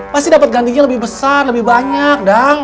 pasti dapet gantinya lebih besar lebih banyak